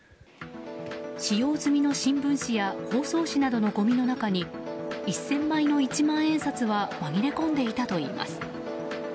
使用済みの新聞紙や包装紙などのごみの中に１０００枚の一万円札がまぎれ込んでいたといいます。